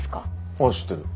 ああ知ってる。